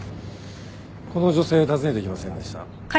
この女性訪ねてきませんでした？